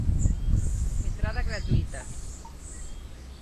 Entrada gratuíta.